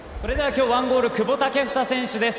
今日１ゴールでした久保建英選手です